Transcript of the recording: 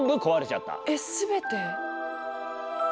えっ全て？